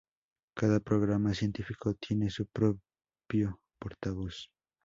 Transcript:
Cada Programa científico tiene su propio portavoz.